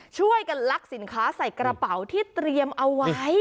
ช่วยกันลักสินค้าใส่กระเป๋าที่เตรียมเอาไว้